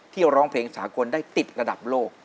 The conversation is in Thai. ร้องเพลงสากลได้ติดระดับโลก